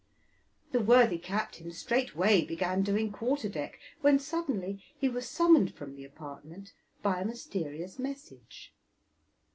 The worthy captain straightway began doing quarter deck, when suddenly he was summoned from the apartment by a mysterious message.